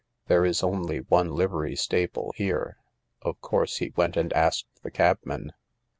There is only one livery stable here. Of course he went and asked the cabman.